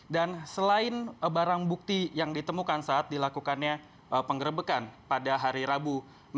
dan selain barang bukti yang ditemukan saat dilakukannya pengerebekan pada hari rabu